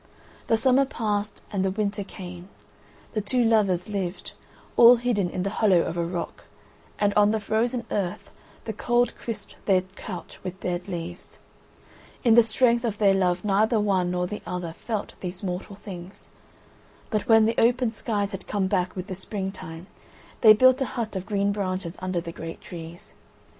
The summer passed and the winter came: the two lovers lived, all hidden in the hollow of a rock, and on the frozen earth the cold crisped their couch with dead leaves. In the strength of their love neither one nor the other felt these mortal things. But when the open skies had come back with the springtime, they built a hut of green branches under the great trees.